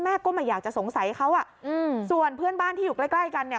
ก็ไม่อยากจะสงสัยเขาอ่ะอืมส่วนเพื่อนบ้านที่อยู่ใกล้ใกล้กันเนี่ย